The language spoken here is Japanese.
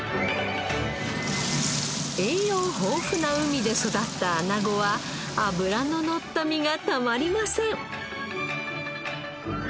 栄養豊富な海で育ったアナゴは脂ののった身がたまりません。